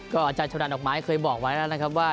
ก็อาจารย์ชะดานดอกไม้เคยบอกว่านั้นนะครับว่า